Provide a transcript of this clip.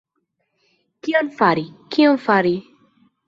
Kion fari, kion fari?